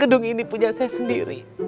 gedung ini punya saya sendiri